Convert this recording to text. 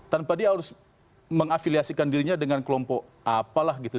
tanpa dia harus mengafiliasikan dirinya dengan kelompok apalah gitu